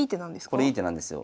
これいい手なんですよ。